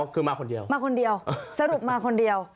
คือมาคนเดียวมาคนเดียวสรุปมาคนเดียว